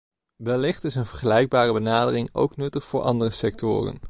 Wellicht is een vergelijkbare benadering ook nuttig voor andere sectoren.